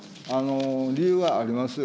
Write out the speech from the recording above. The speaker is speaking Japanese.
理由はありますよ。